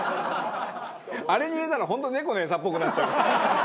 あれに入れたら本当猫の餌っぽくなっちゃうから。